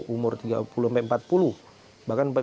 tiga puluh umur tiga puluh sampai empat puluh